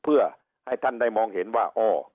เพื่อให้ท่านได้มองเห็นว่าอ้อ